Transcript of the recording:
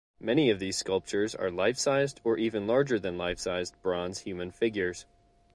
Many of these sculptures are life-sized or even larger than life-sized bronze human figures.